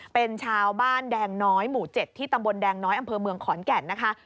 เป็นชาวบ้านแดงน้อยหมู่๗ที่ตำบลแดงน้อยอำเภอเมืองขอนแก่นนะคะ